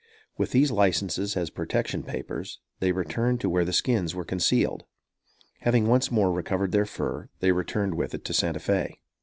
With these licenses as protection papers, they returned to where the skins were concealed. Having once more recovered their fur, they returned with it to Santa Fé.